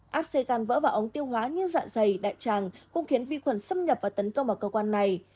ố áp xe gan vỡ vào ống tiêu hóa như dạ dày đại tràng cũng khiến vi khuẩn xâm nhập và tấn công vào cơ quan này